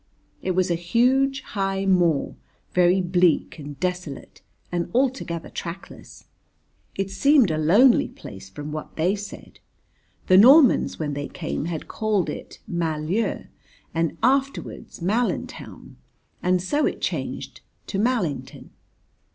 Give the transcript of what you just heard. It was a huge high moor, very bleak and desolate and altogether trackless. It seemed a lonely place from what they said. The Normans when they came had called it Mal Lieu and afterwards Mallintown and so it changed to Mallington.